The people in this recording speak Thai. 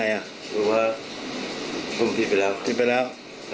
หรือว่าผมทิศไปแล้ว